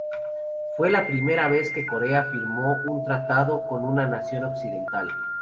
Fue la primera vez que Corea firmó un tratado con una nación occidental.